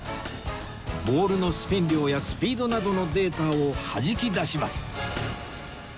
ボールのスピン量やスピードなどのデータをはじき出します